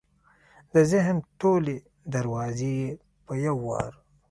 د ذهن ټولې دروازې یې په یو وار